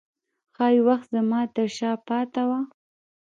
ښايي وخت زما ترشا پاته و